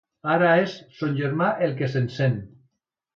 Ara és son germà el que s'encén.